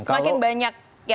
semakin banyak yang begitu begitu